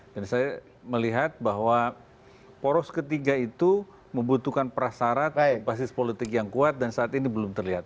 dan saya melihat bahwa poros ketiga itu membutuhkan prasarat basis politik yang kuat dan saat ini belum terlihat